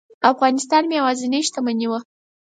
افغانستان مې یوازینۍ شتمني وه.